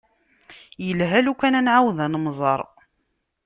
Yelha lukan ad nεawed ad nemẓer.